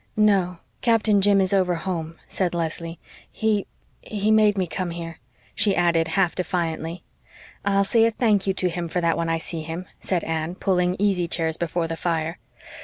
"No. Captain Jim is over home," said Leslie. "He he made me come here," she added, half defiantly. "I'll say a thank you to him for that when I see him," said Anne, pulling easy chairs before the fire.